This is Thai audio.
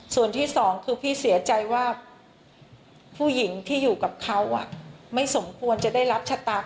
ส่วนที่สองคือพี่เสียใจว่าผู้หญิงที่อยู่กับเขาไม่สมควรจะได้รับชะตา